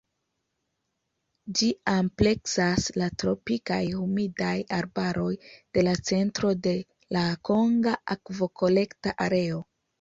Ĝi ampleksas la tropikaj humidaj arbaroj de la centro de la konga akvokolekta areo.